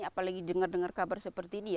apalagi dengar dengar kabar seperti ini ya